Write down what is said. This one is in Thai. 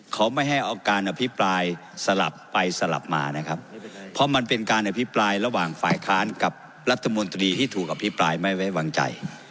เขาไม่ให้เอาการอภิปรายสลับไปสลับมานะครับเพราะมันเป็นการอภิปรายระหว่างฝ่ายค้านกับรัฐมนตรีที่ถูกอภิปรายไม่ไว้วางใจ